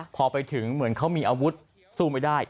พอไปถึงเหมือนเขามีอาวุธสู้ไม่ได้